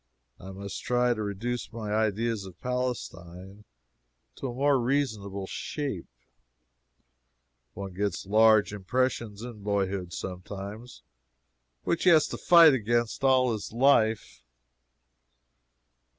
I must try to reduce my ideas of Palestine to a more reasonable shape. One gets large impressions in boyhood, sometimes, which he has to fight against all his life.